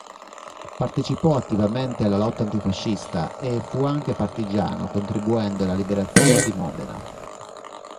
Partecipò attivamente alla lotta antifascista e fu anche partigiano contribuendo alla liberazione di Modena.